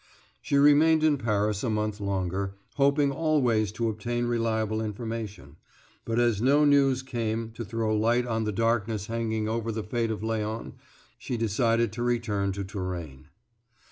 She remained in Paris a month longer, hoping always to obtain reliable information, but as no news came to throw light on the darkness hanging over the fate of Léon, she decided to return to Touraine.